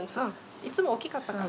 いつも大きかったから。